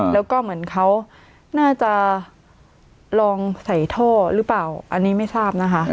แล้วก็เหมือนเขาน่าจะลองใส่ท่อหรือเปล่าอันนี้ไม่ทราบนะคะ